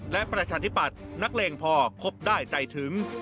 และประชาธิปัตย์นักเลงพอคบได้ใจถึง